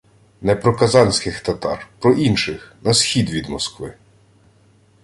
не про казанських татар – про інших на схід від Москви